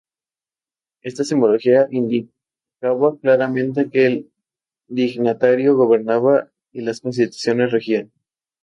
Esta simbología indicaba claramente que el dignatario gobernaba y las constituciones regían.